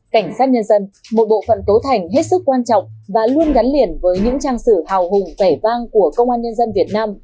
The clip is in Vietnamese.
cảnh sát nhân dân một bộ phận tố thành hết sức quan trọng và luôn gắn liền với những trang sử hào hùng vẻ vang của công an nhân dân việt nam